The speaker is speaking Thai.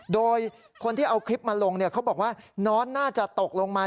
โดยคนที่เอาคลิปมาลงเขาบอกว่าน้อนน่าจะตกลงมา